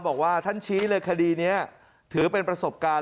บอกว่าท่านชี้เลยคดีนี้ถือเป็นประสบการณ์